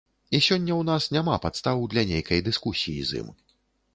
І сёння ў нас няма падстаў для нейкай дыскусіі з ім.